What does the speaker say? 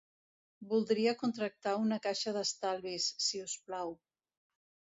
Voldria contractar un caixa d'estalvis, si us plau.